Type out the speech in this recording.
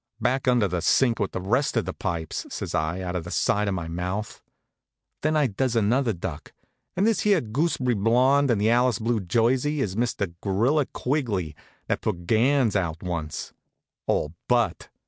"Back under the sink with the rest of the pipes," says I, out of the side of my mouth. Then I does another duck. "And this here gooseb'ry blond in the Alice blue jersey, is Mr. Gorilla Quigley, that put Gans out once all but.